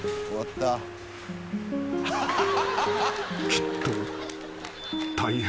［きっと］